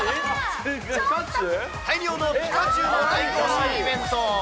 大量のピカチュウの大行進イベント。